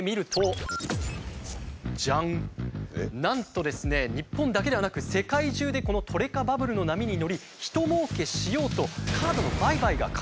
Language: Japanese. なんとですね日本だけではなく世界中でこのトレカバブルの波に乗りひともうけしようと今？